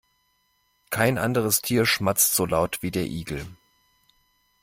Kein anderes Tier schmatzt so laut wie der Igel.